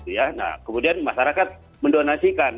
nah kemudian masyarakat mendonasikan